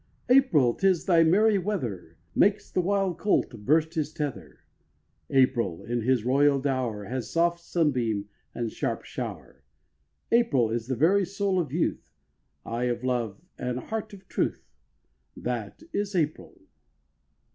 April, 'tis thy merry weather Makes the wild colt burst his tether; April in his royal dower Has soft sunbeam and sharp shower; April is the very soul of youth, Eye of love, and heart of truth— That is April.